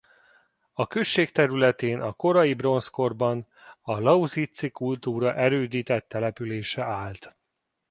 A község területén a korai bronzkorban a lausitzi kultúra erődített települése állt.